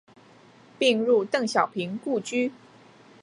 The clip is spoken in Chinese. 并入邓小平故居。